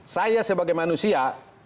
saya sebagai manusia